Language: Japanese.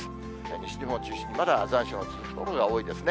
西日本を中心に、まだ残暑が続く所が多いですね。